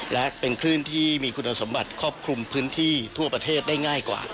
และเป็นคลื่นที่มีคุณสมบัติครอบคลุมพื้นที่ทั่วประเทศได้ง่ายกว่า